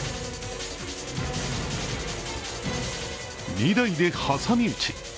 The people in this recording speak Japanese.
２台で挟み撃ち。